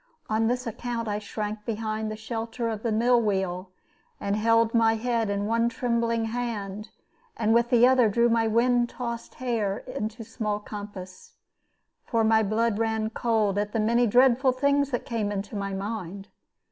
On this account I shrank behind the shelter of the mill wheel, and held my head in one trembling hand, and with the other drew my wind tossed hair into small compass. For my blood ran cold at the many dreadful things that came into my mind.